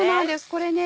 これね